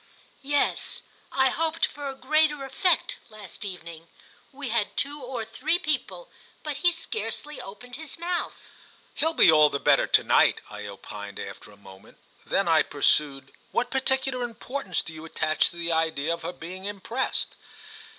"Yes; I hoped for a greater effect last evening. We had two or three people, but he scarcely opened his mouth." "He'll be all the better to night," I opined after a moment. Then I pursued: "What particular importance do you attach to the idea of her being impressed?"